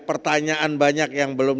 pertanyaan banyak yang belum